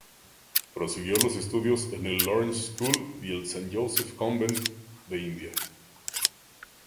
Prosiguió los estudios en el "Lawrence School" y el "St Joseph's Convent" de India.